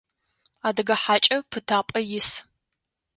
Адыгэ хьакӏэ пытапӏэ ис.